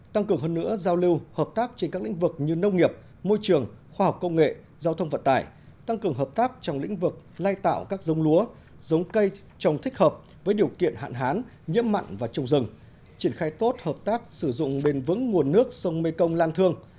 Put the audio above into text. tăng cường hơn nữa giao lưu hợp tác trên các lĩnh vực như nông nghiệp môi trường khoa học công nghệ giao thông vận tải tăng cường hợp tác trong lĩnh vực lai tạo các giống lúa giống cây trồng thích hợp với điều kiện hạn hán nhiễm mặn và trồng rừng